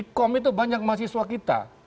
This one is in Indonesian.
iran sekarang itu banyak mahasiswa kita